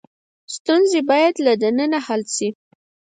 ستونزې باید له دننه حل شي.